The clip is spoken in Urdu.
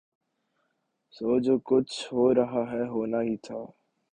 سو جو کچھ ہورہاہے ہونا ہی تھا۔